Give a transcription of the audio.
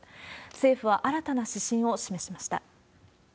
政府は新たな指針を示しました。